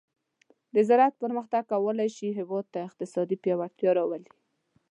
د زراعت پرمختګ کولی شي هیواد ته اقتصادي پیاوړتیا راولي.